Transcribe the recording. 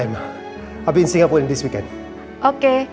awasan kami memindahkan tunai juga dokter di centrumowiek